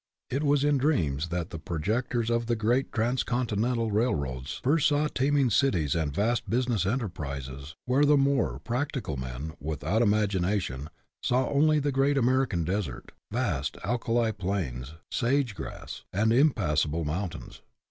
It was in dreams that the projectors of the great transcontin ental railroads first saw teeming cities and vast business enterprises where the more " practi cal " men, without imagination, saw only the great American desert, vast alkali plains, sage grass, and impassable mountains.